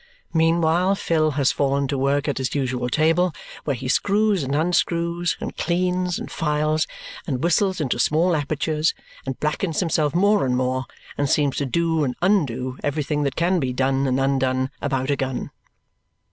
Meanwhile Phil has fallen to work at his usual table, where he screws and unscrews, and cleans, and files, and whistles into small apertures, and blackens himself more and more, and seems to do and undo everything that can be done and undone about a gun.